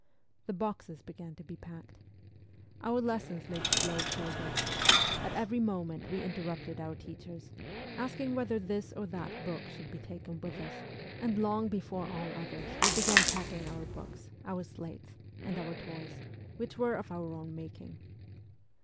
The boxes began to be packed. Our lessons made slow progress ; at every moment we interrupted our teachers, asking whether this or that book should be taken with us, and long before all others we began packing our books, our slates, and our toys, which were of our own making.